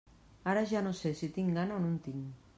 Ara ja no sé si tinc gana o no en tinc.